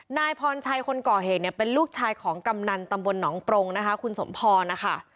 นายพรชัยคนก่อเหตุเนี่ยเป็นลูกชายของกำนันตำบลหนองปรงนะคะคุณสมพรนะคะ